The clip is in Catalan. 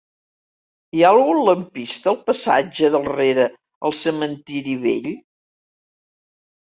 Hi ha algun lampista al passatge de Rere el Cementiri Vell?